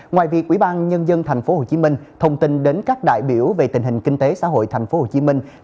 ngoài việc ủy ban nhân dân thành phố hồ chí minh thông tin đến các đại biểu về tình hình kinh tế xã hội thành phố hồ chí minh